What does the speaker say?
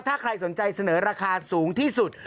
ถ้าใครสนใจเสนอราคาสูงที่สุด